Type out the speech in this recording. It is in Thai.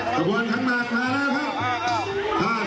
ชะมัดทั้งมาเธอนะครับ